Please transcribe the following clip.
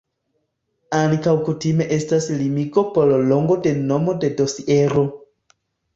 Ankaŭ kutime estas limigo por longo de nomo de dosiero.